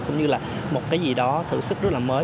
cũng như là một cái gì đó thử sức rất là mới